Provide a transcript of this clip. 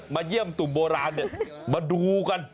มาเยี่ยมตุ่มโบราณมาดูกัน